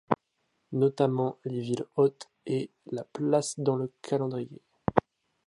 Notamment les villes hôtes et la place dans le calendrier.